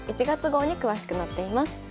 １月号に詳しく載っています。